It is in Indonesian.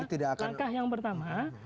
langkah yang pertama